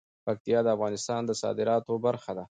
پکتیا د افغانستان د صادراتو برخه ده.